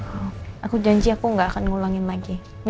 aku janji aku gak akan ngulangin lagi